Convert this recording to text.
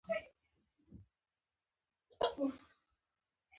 انګلیسیان به له هغوی سره متحد قوت جوړ کړي.